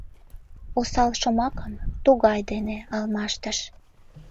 «Осал» шомакым «тугай» дене алмаштыш.